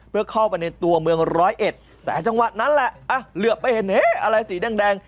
เพื่อเข้าไปในตัวเมืองร้อยเอ็ดแต่จังหวะนั้นแหละเหลือไปเห็นอะไรสีแดง